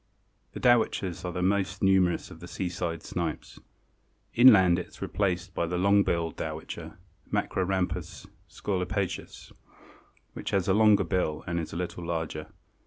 The Dowitchers are the most numerous of the seaside snipes. Inland it is replaced by the Long billed Dowitcher (Macrorhamphus scolopaceus), which has a longer bill and is a little larger.